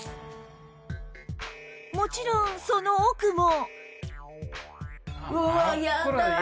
もちろんその奥も